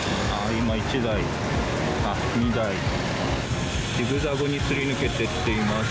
今、１台、２台ジグザグにすり抜けていっています。